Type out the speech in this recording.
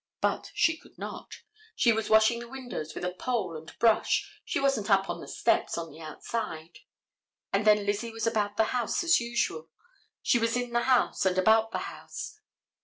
But she could not. She was washing the windows with a pole and brush, she wasn't up on the steps on the outside. And then Lizzie was about the house as usual. She was in the house and about the house.